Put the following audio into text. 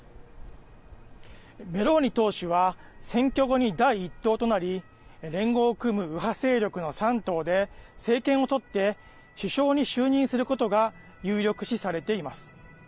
メローニ党首は選挙後に第一党となり連合を組む右派勢力の３党で政権を取って首相に就任することが有力視されています。